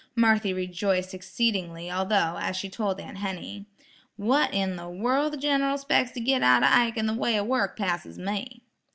Marthy rejoiced exceedingly although, as she told Aunt Henny,– "What in the wurld the Gin'ral 'spects to git out o' Ike in the way o' wurk passes me."